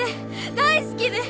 大好きで！